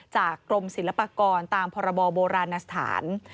จากกรมศิลปากรตามพรบโบราณสถาน